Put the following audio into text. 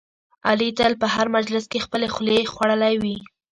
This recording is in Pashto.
علي تل په هر مجلس کې خپلې خولې خوړلی وي.